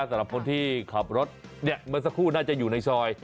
สำหรับคนที่ขับรถเนี่ยเมื่อสักครู่น่าจะอยู่ในซอย